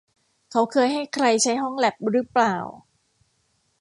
เขาเคยให้ใครใช้ห้องแลปรึเปล่า